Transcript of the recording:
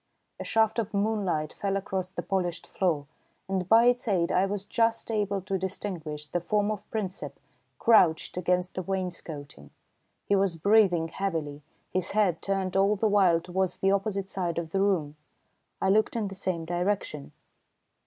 A shaft of moonlight fell across the polished floor, and by its aid I was just able to distinguish the form of Princep crouched against the wainscoting. He was breathing heavily, his head turned all the while towards the opposite side of the room. I looked in the same direction.